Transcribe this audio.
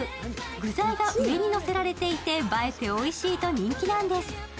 具材が上にのせられていて映えておいしいと人気なんです。